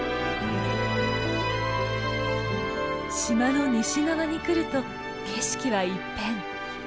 島の西側に来ると景色は一変。